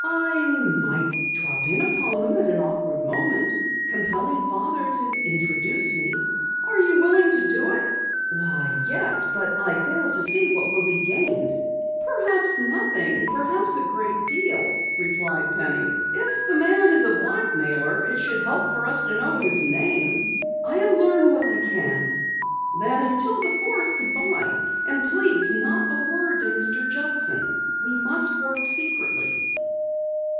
"I might drop in upon them at an awkward moment, compelling Father to introduce me." "Are you willing to do it?" "Why, yes, but I fail to see what will be gained." "Perhaps nothing, perhaps a great deal," replied Penny. "If the man is a blackmailer, it should help for us to know his name." "I'll learn what I can." "Then until the fourth, good bye. And please, not a word to Mr. Judson. We must work secretly."